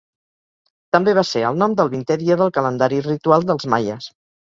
També va ser el nom del vintè dia del calendari ritual dels maies.